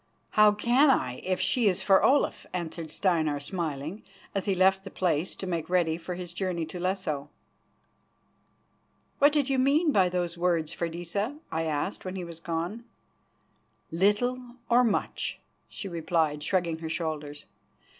"How can I if she is for Olaf?" answered Steinar, smiling, as he left the place to make ready for his journey to Lesso. "What did you mean by those words, Freydisa?" I asked when he was gone. "Little or much," she replied, shrugging her shoulders.